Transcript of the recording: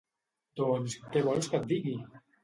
Doncs què vols que et digui!